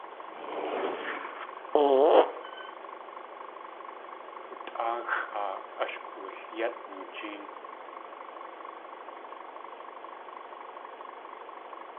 Kootʼáaxʼaa ash katoolyát noojín.